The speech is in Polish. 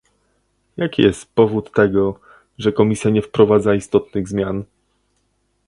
Jaki jest powód tego, że Komisja nie wprowadza istotnych zmian?